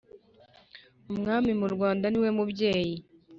umwami mu rwanda ni we mubyeyi